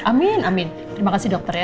amin amin terima kasih dokter ya